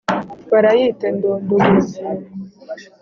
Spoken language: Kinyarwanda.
Barayita indondogozi!